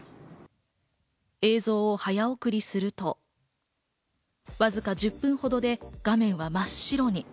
映像を早送りすると、わずか１０分ほどで画面は真っ白に。